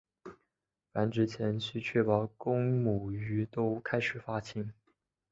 繁殖前须确保公母鱼都开始发情。